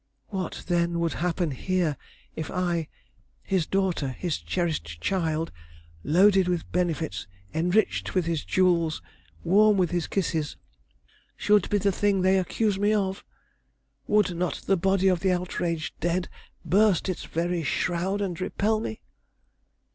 What then would happen here if I, his daughter, his cherished child, loaded with benefits, enriched with his jewels, warm with his kisses, should be the thing they accuse me of? Would not the body of the outraged dead burst its very shroud and repel me?"